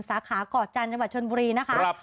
สาขาเกาะจันทร์จังหวัดชนบุรีนะคะ